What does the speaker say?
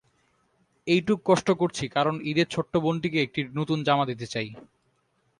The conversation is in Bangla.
এইটুক কষ্ট করছি, কারণ ঈদে ছোট্ট বোনটিকে একটা নতুন জামা দিতে চাই।